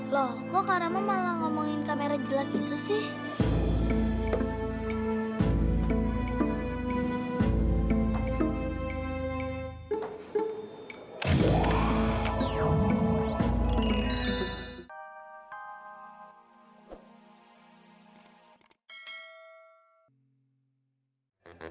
loh kok kak rama malah ngomongin kamera jelat itu sih